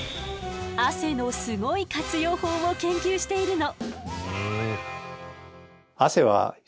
汗のすごい活用法を研究しているの。